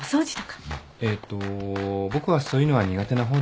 えっと僕はそういうのは苦手な方で。